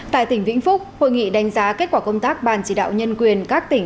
tại tỉnh vĩnh phúc hội nghị đánh giá kết quả công tác ban chỉ đạo nhân quyền các tỉnh